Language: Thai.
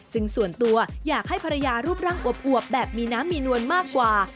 ซึ่งส่วนตัวอยากให้ภรรยารูปร่างอวบแบบมีน้ำมีนวลมากกว่า